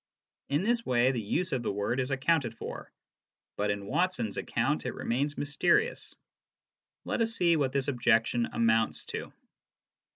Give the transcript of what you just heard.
In this way the use of the word is accounted for; but in Watson's account it remains mysterious. Let us see what this objection amounts to.